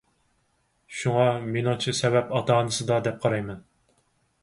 شۇڭا، مېنىڭچە سەۋەب ئاتا-ئانىسىدا دەپ قارايمەن.